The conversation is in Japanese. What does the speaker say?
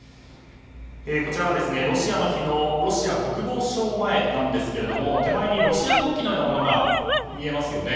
こちらはロシアの日のロシア国防省前なんですが手前にロシア国旗のようなものが見えますよね。